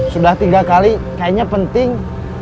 sudah tiga kali kayaknya penting